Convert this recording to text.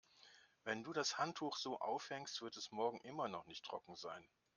Wenn du das Handtuch so aufhängst, wird es morgen immer noch nicht trocken sein.